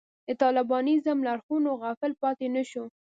د طالبانیزم له اړخونو غافل پاتې نه شو.